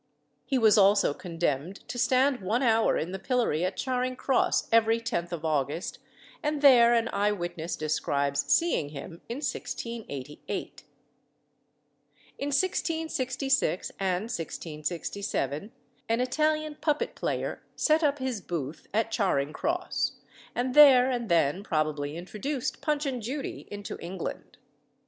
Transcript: He was also condemned to stand one hour in the pillory at Charing Cross every 10th of August, and there an eye witness describes seeing him in 1688. In 1666 and 1667 an Italian puppet player set up his booth at Charing Cross, and there and then probably introduced "Punch and Judy" into England.